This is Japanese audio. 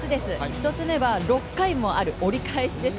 １つ目は６回もある折り返しです